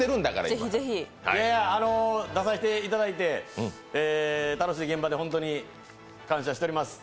いや、出させていただいて楽しい現場で本当に感謝しております。